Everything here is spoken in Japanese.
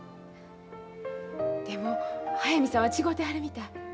でも速水さんは違うてはるみたい。